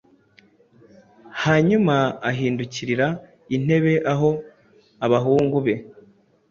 Hanyuma ahindukirira intebe aho abahungu be